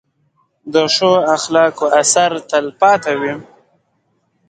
د ښو اخلاقو اثر تل پاتې دی.